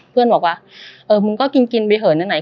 เพื่อนบอกว่าเออมึงก็กินไปเหินไหน